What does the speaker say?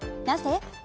なぜ？